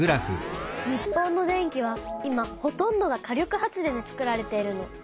日本の電気は今ほとんどが火力発電でつくられているの。